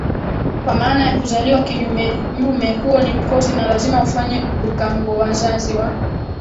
kwa maana ya kuzaliwa kinyumenyume huo ni mkosi na lazima ufanye bhukangoWazazi wa